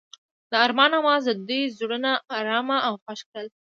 د آرمان اواز د دوی زړونه ارامه او خوښ کړل.